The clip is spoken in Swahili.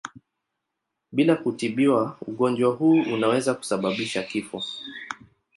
Bila kutibiwa ugonjwa huu unaweza kusababisha kifo.